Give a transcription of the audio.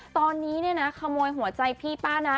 ตอนนี้เนี่ยนะขโมยหัวใจพี่ป้านะ